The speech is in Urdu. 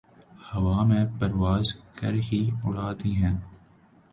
ہوا میں پرواز کر ہی اڑا دی ہیں